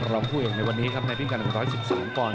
รองคู่อย่างในวันนี้ครับในพิมพ์การ๑๑๓ก่อน